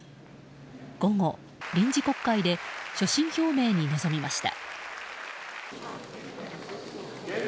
午後、臨時国会で所信表明に臨みました。